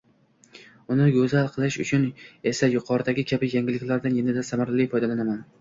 Uni goʻzal qilish uchun esa yuqoridagi kabi yengilliklardan yanada samarali foydalanaman.